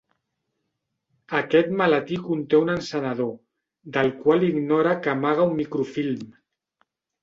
Aquest maletí conté un encenedor, del qual ignora que amaga un microfilm.